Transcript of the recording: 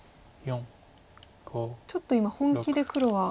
ちょっと今本気で黒は。